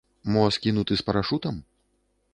Мо скінуты з парашутам?